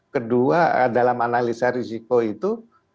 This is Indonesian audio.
kedua dalam analisa risiko itu